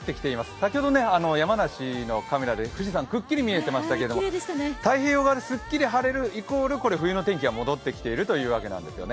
先ほど山梨のカメラで富士山、くっきり見えていましたけれども太平洋側ですっきり晴れるイコール冬の天気が戻ってきているということなんですよね。